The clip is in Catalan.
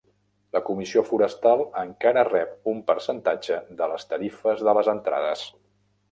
La Comissió Forestal encara rep un percentatge de les tarifes de les entrades.